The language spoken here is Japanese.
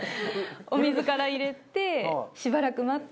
お水から入れてしばらく待って。